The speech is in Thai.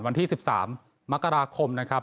วันที่๑๓มกราคมนะครับ